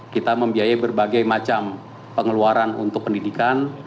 kita membiayai berbagai macam pengeluaran untuk pendidikan